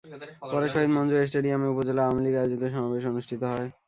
পরে শহীদ মঞ্জুর স্টেডিয়ামে উপজেলা আওয়ামী লীগ আয়োজিত সমাবেশ অনুষ্ঠিত হয়।